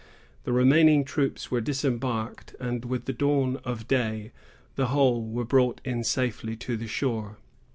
The remaining troops were disembarked, and, with the dawn of day, the whole were brought in safety to the shore.